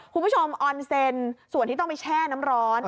ออนเซ็นต์ส่วนที่ต้องไปแช่น้ำร้อน